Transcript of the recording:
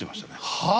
はい。